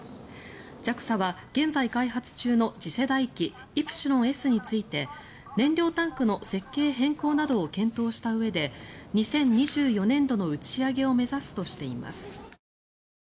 ＪＡＸＡは現在開発中の次世代機イプシロンＳについて燃料タンクの設計変更などを検討したうえで２０２４年度の打ち上げを目指すとしています。